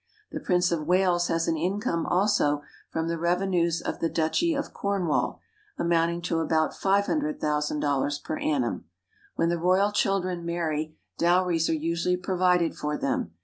The Prince of Wales has an income also from the revenues of the Duchy of Cornwall, amounting to about $500,000 per annum. When the Royal children marry dowries are usually provided for them.